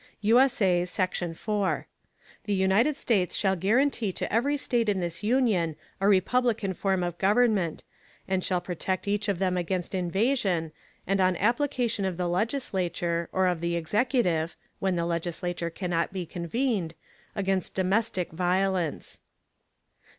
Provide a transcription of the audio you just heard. _ [USA] Section 4. The United States shall guarantee to every State in this Union a Republican Form of Government, and shall protect each of them against Invasion, and on Application of the Legislature, or of the Executive (when the Legislature cannot be convened) against domestic Violence.